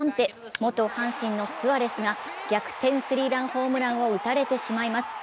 ところが２番手、元阪神のスアレスが逆転スリーランホームランを打たれてしまいます。